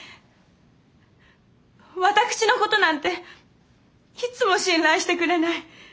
私のことなんていつも信頼してくれない。